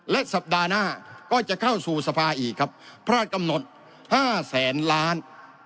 และสัปดาห์หน้าก็จะเข้าสู่สภาอีกครับพลาดกำหนด๕แสนล้าน